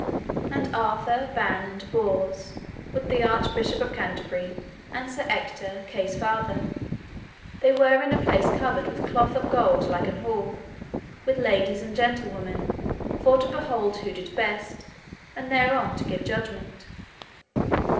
And Arthur, Ban, and Bors, with the Archbishop of Canterbury, and Sir Ector, Kay's father, they were in a place covered with cloth of gold like an hall, with ladies and gentlewomen, for to behold who did best, and thereon to give judgment.